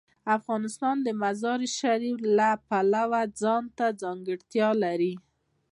افغانستان د مزارشریف د پلوه ځانته ځانګړتیا لري.